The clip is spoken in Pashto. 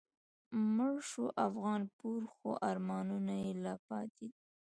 مړ شو افغانپور خو آرمانونه یې لا پاتی دي